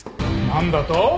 何だと！？